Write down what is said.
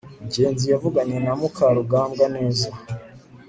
ngenzi yavuganye na mukarugambwa neza